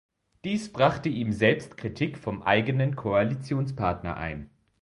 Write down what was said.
Dies brachte ihm selbst Kritik vom eigenen Koalitionspartner ein.